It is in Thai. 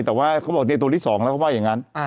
แต่ว่าเขาบอกนี่ตัวอีกสองแล้วเขาบอกอย่างนั้น